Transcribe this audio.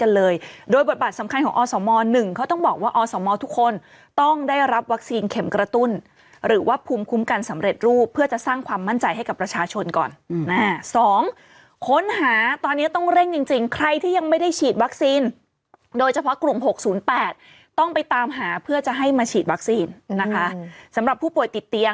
เลยโดยบทบาทสำคัญของอสม๑เขาต้องบอกว่าอสมทุกคนต้องได้รับวัคซีนเข็มกระตุ้นหรือว่าภูมิคุ้มกันสำเร็จรูปเพื่อจะสร้างความมั่นใจให้กับประชาชนก่อน๒ค้นหาตอนนี้ต้องเร่งจริงจริงใครที่ยังไม่ได้ฉีดวัคซีนโดยเฉพาะกลุ่ม๖๐๘ต้องไปตามหาเพื่อจะให้มาฉีดวัคซีนนะคะสำหรับผู้ป่วยติดเตียง